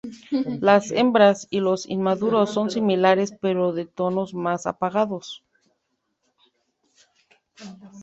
Las hembras y los inmaduros son similares pero de tonos más apagados.